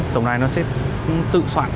tổng đài nó sẽ tự soạn